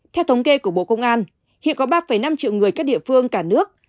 theo thống kê của bộ công an hiện có ba năm triệu người các địa phương cả nước